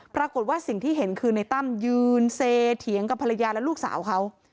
ปรากฏว่าสิ่งที่เห็นคือในตั้มยืนเซเถียงกับภรรยาและลูกสาวเขา